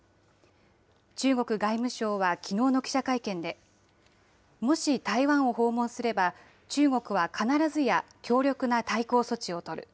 中国外務省はきのうの記者会見で、もし台湾を訪問すれば、中国は必ずや強力な対抗措置を取る。